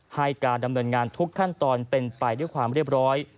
ให้การดำเนินงานทุกขั้นตอนเป็นไปด้วยความเรียบร้อย